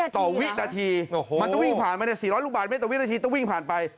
ต่อวินาทีมันก็วิ่งผ่านมา๔๐๐ลูกบาทเมตรต่อวินาทีต้องวิ่งผ่านไป